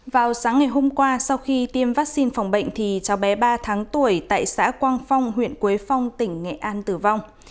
vào sáng ngày hôm qua sau khi tiêm vaccine phòng bệnh thì cháu bé ba tháng tuổi tại xã quang phong huyện quế phong tỉnh nghệ an tử vong